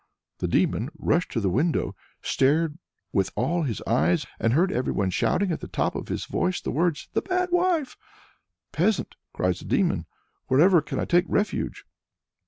The Demon rushed to the window, stared with all his eyes, and heard everyone shouting at the top of his voice the words, "The Bad Wife!" "Peasant," cries the Demon, "wherever can I take refuge?"